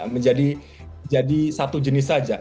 menjadi satu jenis saja